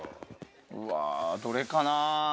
うわどれかな？